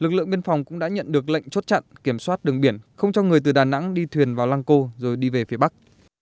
các phòng cũng đã nhận được lệnh chốt chặn kiểm soát đường biển không cho người từ đà nẵng đi thuyền vào lăng cô rồi đi về phía bắc